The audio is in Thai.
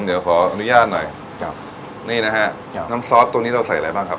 เดี๋ยวขออนุญาตหน่อยครับนี่นะฮะครับน้ำซอสตรงนี้เราใส่อะไรบ้างครับ